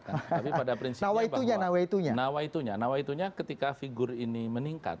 tapi pada prinsipnya nawaitunya ketika figure ini meningkat